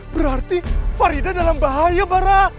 berarti farida dalam bahaya bara